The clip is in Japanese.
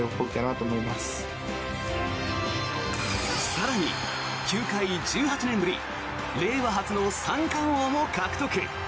更に、球界１８年ぶり令和初の三冠王も獲得。